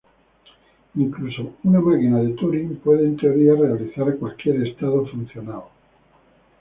Incluso una máquina de Turing puede, en teoría, realizar cualquier estado funcional.